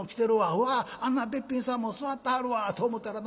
うわっあんなべっぴんさんも座ってはるわ』と思ったらな